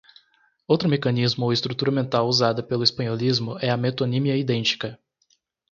Outro mecanismo ou estrutura mental usada pelo espanholismo é a metonímia idêntica.